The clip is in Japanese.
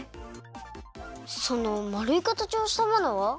そのまるいかたちをしたものは？